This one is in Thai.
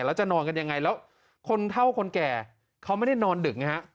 แล้วจะนอนกันยังไงแล้วคนเท่าคนแก่เขาไม่ได้นอนดึกไงฮะ